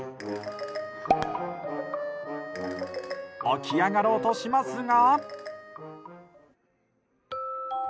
起き上がろうとしますが。